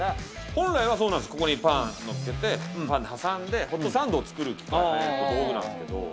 本来はそうなんです、ここにパンのっけて、パンに挟んでホットサンドを作る道具なんですけれども。